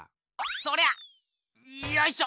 そりゃよいしょ。